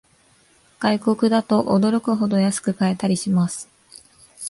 外国だと驚くほど安く買えたりします